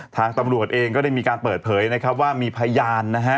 ทางตำรวจเองก็ได้มีการเปิดเผยว่ามีพยาน